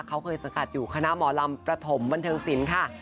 เขาเคยสังกัดอยู่คณะหมอลำประถมบันเทิงศิลป์ค่ะ